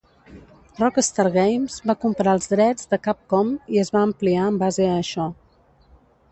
Rockstar Games va comprar els drets de Capcom i es va ampliar en base a això.